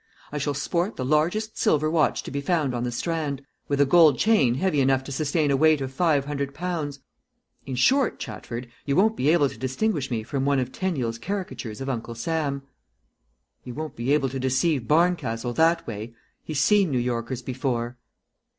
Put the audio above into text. I shall sport the largest silver watch to be found on the Strand, with a gold chain heavy enough to sustain a weight of five hundred pounds; in short, Chatford, you won't be able to distinguish me from one of Teniel's caricatures of Uncle Sam." "You won't be able to deceive Barncastle that way. He's seen New Yorkers before."